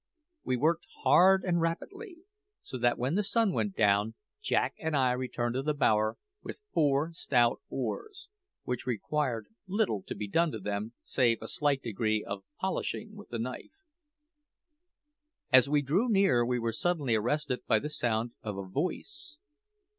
We worked hard and rapidly, so that when the sun went down Jack and I returned to the bower with four stout oars, which required little to be done to them save a slight degree of polishing with the knife. As we drew near we were suddenly arrested by the sound of a voice.